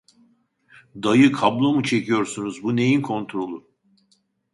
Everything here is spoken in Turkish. Dayı kablo mu çekiyorsunuz bu neyin kontrolü?